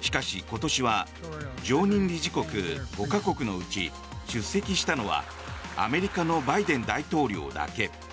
しかし、今年は常任理事国５か国のうち出席したのはアメリカのバイデン大統領だけ。